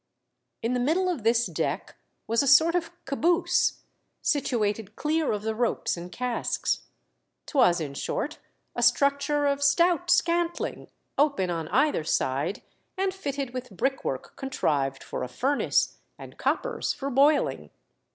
In the middle of this deck was a sort of caboose, situated clear of the ropes and casks. 'Twas, in short, a structure of stout scantling, open on either side, and fitted with brick work contrived for a furnace and coppers for boiling.